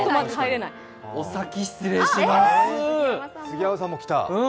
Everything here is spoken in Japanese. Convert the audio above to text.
お先失礼します。